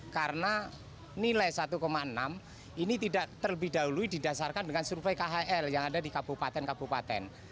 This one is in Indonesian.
karena nilai rp satu enam ini tidak terlebih dahulu didasarkan dengan survei khl yang ada di kabupaten kabupaten